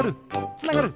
つながる！